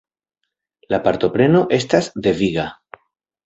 La partopreno estas deviga.